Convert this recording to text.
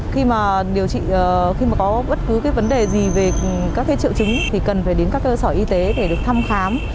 khi mà có bất cứ vấn đề gì về các triệu chứng thì cần phải đến các cơ sở y tế để được thăm khám